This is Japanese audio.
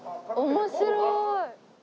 面白い！